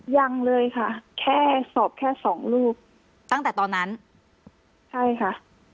ยังเลยค่ะแค่สอบแค่สองรูปตั้งแต่ตอนนั้นใช่ค่ะ